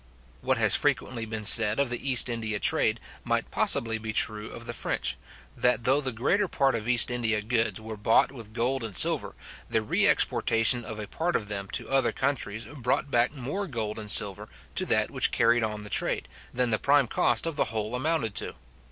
What has frequently been said of the East India trade, might possibly be true of the French; that though the greater part of East India goods were bought with gold and silver, the re exportation of a part of them to other countries brought back more gold and silver to that which carried on the trade, than the prime cost of the whole amounted to.